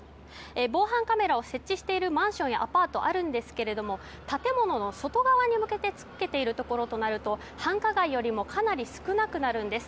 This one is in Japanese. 防犯カメラを設置しているマンションやアパートあるんですが建物の外側に向けてつけているところとなると繁華街よりもかなり少なくなるんです。